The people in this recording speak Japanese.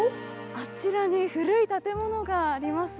あちらに古い建物があります。